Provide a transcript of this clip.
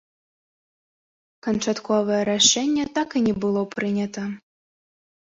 Канчатковае рашэнне так і не было прынята.